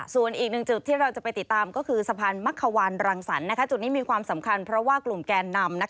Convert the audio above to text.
ส่วนอีกหนึ่งจุดที่เราจะไปติดตามก็คือสะพานมักขวานรังสรรคจุดนี้มีความสำคัญเพราะว่ากลุ่มแกนนำ